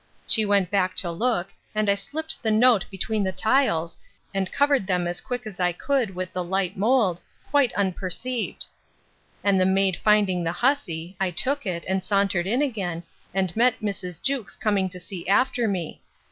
She went back to look, and I slipt the note between the tiles, and covered them as quick as I could with the light mould, quite unperceived; and the maid finding the hussy, I took it, and sauntered in again, and met Mrs. Jewkes coming to see after me.